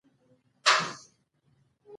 جهاد او مقاومت د کولاب په سوړه ومانډه.